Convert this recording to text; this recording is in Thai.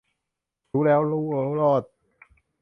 รู้แล้วรู้รอด